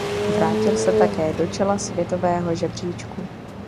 Vrátil se také do čela světového žebříčku.